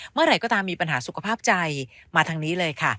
เมื่อไหร่ก็ตามมีปัญหาสุขภาพใจมาทางนี้เลยค่ะ